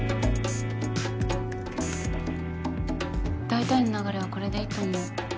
大体の流れはこれでいいと思う。